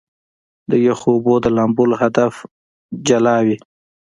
د يخو اوبو د لامبلو هدف جدا وي -